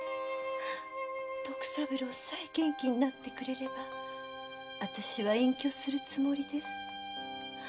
徳三郎さえ元気になってくれれば私は隠居するつもりです。